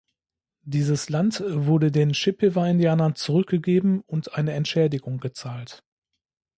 Dieses Land wurde den Chippewa-Indianern zurückgegeben und eine Entschädigung gezahlt.